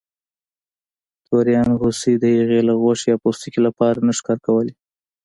توریانو هوسۍ د هغې له غوښې یا پوستکي لپاره نه ښکار کولې.